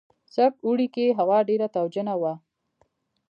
سږ اوړي کې هوا ډېره تاوجنه وه.